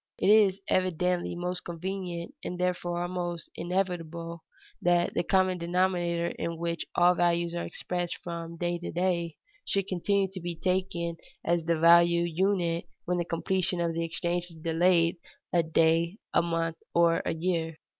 It is evidently most convenient, and therefore almost inevitable, that the common denominator in which all values are expressed from day to day should continue to be taken as the value unit when the completion of the exchange is delayed a day, a month, or a year.